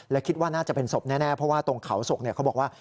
และคิดว่าน่าจะเป็นศพแน่เพราะว่าตรงเขาศกเขาบอกว่า